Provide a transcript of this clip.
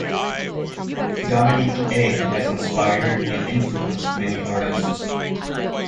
Dominique A has inspired and influenced many artists.